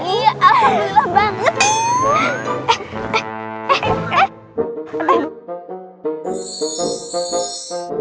iya alhamdulillah banget